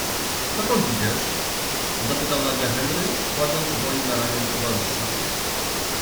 - Dokąd idziesz? - zapytał nagle Henry, kładąc dłoń na ramię towarzysza.